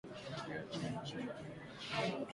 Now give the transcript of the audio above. Na kuiacha nchi hiyo chini ya mapato ya chini.